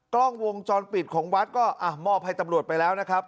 กล้องวงจรปิดของวัดก็มอบให้ตำรวจไปแล้วนะครับ